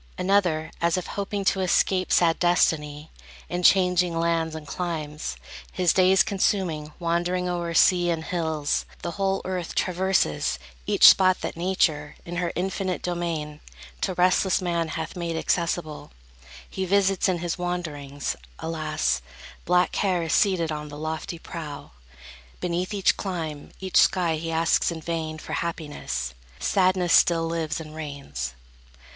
Another, as if hoping to escape Sad destiny, in changing lands and climes His days consuming, wandering o'er sea And hills, the whole earth traverses; each spot That Nature, in her infinite domain, To restless man hath made accessible, He visits in his wanderings. Alas, Black care is seated on the lofty prow; Beneath each clime, each sky, he asks in vain For happiness; sadness still lives and reigns.